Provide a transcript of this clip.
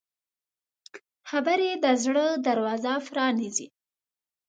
خبرې د زړه دروازه پرانیزي